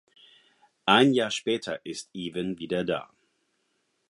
Ein Jahr später ist Evan wieder da.